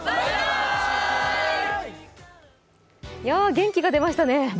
元気が出ましたね。